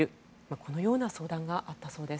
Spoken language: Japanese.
このような相談があったそうです。